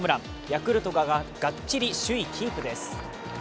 ヤクルトががっちり首位キープです。